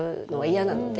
嫌なので。